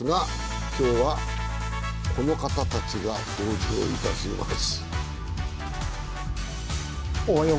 今日はこの方たちが登場いたします。